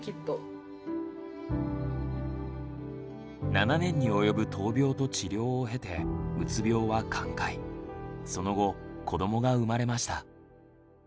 ７年に及ぶ闘病と治療を経てその後子どもが生まれました。